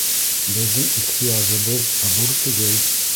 Беҙҙең ихтыяжыбыҙ ҙур түгел